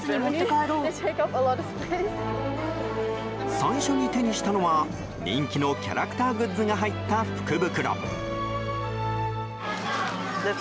最初に手にしたのは人気のキャラクターグッズが入った福袋。